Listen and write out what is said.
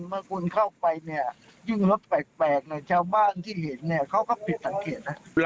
เมื่อคุณเข้าไปยิ่งแล้วแปลกชาวบ้านที่เห็นเขาก็ผิดสังเกต